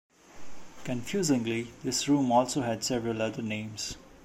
Confusingly, this room also had several other names.